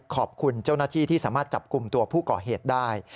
ขอบคุณเจ้าหน้าที่ที่สามารถจับกลุ่มตัวผู้ก่อเหตุได้